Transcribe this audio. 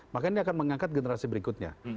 maka ini akan mengangkat generasi berikutnya